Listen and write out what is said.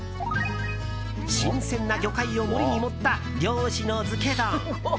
新鮮な魚介を盛りに盛った漁師の漬け丼。